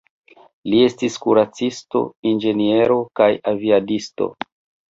Li estis kuracisto, inĝeniero kaj aviadisto.